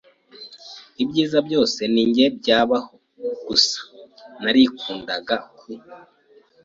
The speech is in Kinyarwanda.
ibyiza byose ari njye byabaho gusa, narikundaga ku